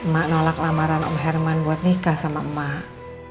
mak nolak lamaran om herman buat nikah sama emak